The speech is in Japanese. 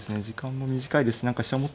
時間も短いですし。